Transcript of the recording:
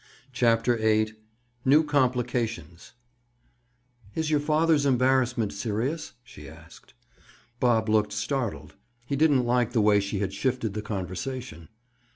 CHAPTER VIII—NEW COMPLICATIONS "Is your father's embarrassment serious?" she asked. Bob looked startled. He didn't like the way she had shifted the conversation.